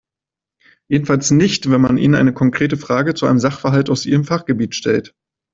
Jedenfalls nicht, wenn man ihnen eine konkrete Frage zu einem Sachverhalt aus ihrem Fachgebiet stellt.